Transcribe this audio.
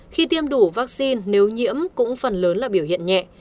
khi tiêm đủ vaccine nếu nhiễm cũng phần lớn là biểu hiện nhẹ